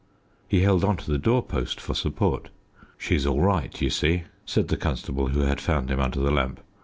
He held on to the door post for support. "She's all right, you see," said the constable, who had found him under the lamp.